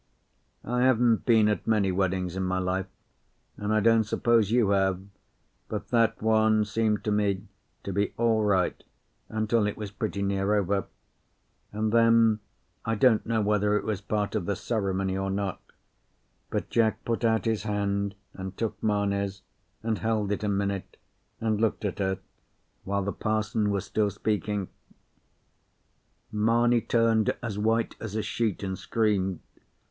I haven't been at many weddings in my life, and I don't suppose you have, but that one seemed to me to be all right until it was pretty near over; and then, I don't know whether it was part of the ceremony or not, but Jack put out his hand and took Mamie's and held it a minute, and looked at her, while the parson was still speaking. Mamie turned as white as a sheet and screamed.